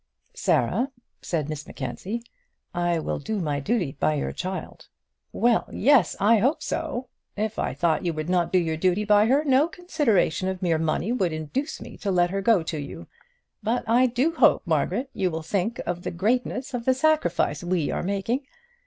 "Sarah," said Miss Mackenzie, "I will do my duty by your child." "Well; yes; I hope so. If I thought you would not do your duty by her, no consideration of mere money would induce me to let her go to you. But I do hope, Margaret, you will think of the greatness of the sacrifice we are making.